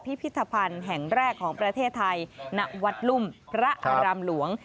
พิพิธภัณฑ์แห่งแรกของประเทศไทยณวัดรุ่มพระอารามหลวง